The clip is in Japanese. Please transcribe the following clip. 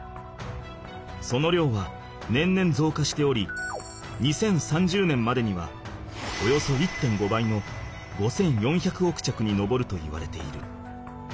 その量は年々ぞうかしており２０３０年までにはおよそ１．５倍の５４００億着に上るといわれている。